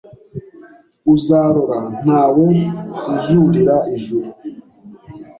Uzarora ntawe uzurira ijuru